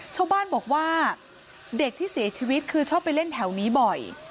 ชาวบ้านบอกว่าเด็กที่เสียชีวิตคือชอบไปเล่นแถวนี้บ่อย